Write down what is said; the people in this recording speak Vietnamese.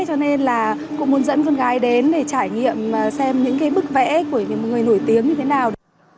cho nên là cũng muốn dẫn con gái đến để trải nghiệm xem những cái bức vẽ của một người nổi tiếng như thế nào